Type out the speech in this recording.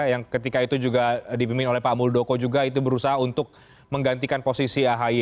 yang ketika itu juga dipimpin oleh pak muldoko juga itu berusaha untuk menggantikan posisi ahy